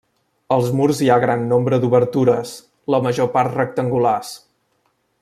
Als murs hi ha gran nombre d'obertures, la major part rectangulars.